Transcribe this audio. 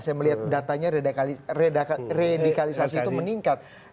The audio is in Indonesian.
saya melihat datanya redikalisasi itu meningkat